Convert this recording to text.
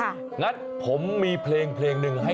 อะไรนะ